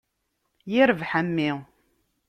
Yirbeḥ a mmi.